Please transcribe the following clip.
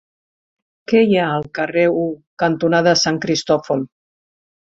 Què hi ha al carrer U cantonada Sant Cristòfol?